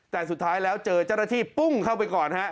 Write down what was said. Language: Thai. แต่สุดท้ายแล้วเจอจะรถที่ปุ้งเข้าไปก่อน